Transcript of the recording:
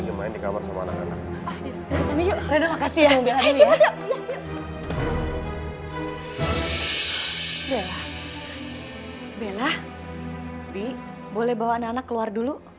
bi boleh bawa anak anak keluar dulu